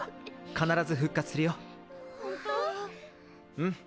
うん。